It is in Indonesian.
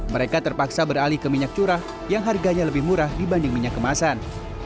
mereka terpaksa beralih ke minyak curah yang harganya lebih murah dibanding minyak kemasan